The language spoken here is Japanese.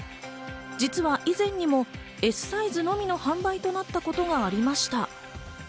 実は以前にもＳサイズのみの販売となったことがありました。